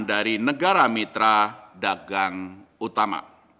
dari negara mitra dagang utama